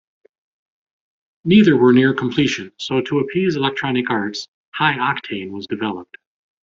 Neither were near completion, so to appease Electronic Arts, "Hi-Octane" was developed.